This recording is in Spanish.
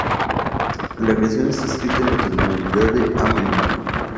La canción está escrita en la tonalidad de la A menor.